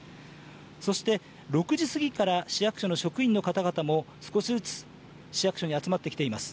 そして６時過ぎから、市役所の職員の方々も少しずつ市役所に集まってきています。